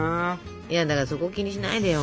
いやだからそこ気にしないでよ